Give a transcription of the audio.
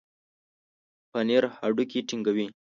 پنېر هډوکي ټينګوي.